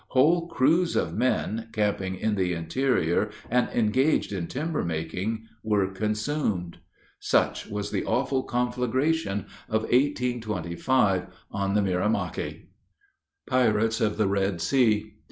Whole crews of men, camping in the interior, and engaged in timber making, were consumed. "Such was the awful conflagration of 1825, on the Mirimachi." PIRATES OF THE RED SEA.